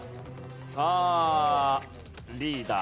さあリーダー